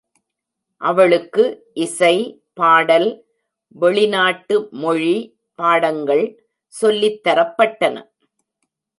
அவளுக்கு இசை, பாடல், வெளிநாட்டு மொழி பாடங்கள் சொல்லித்தரப்பட்டன.